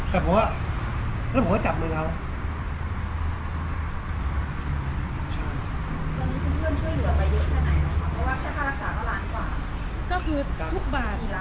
แต่ผมว่ะแล้วผมก็จับเลยครับ